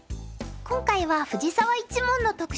今回は藤澤一門の特集です。